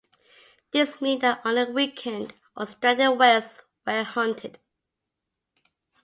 This mean that only weakened or stranded whales where hunted.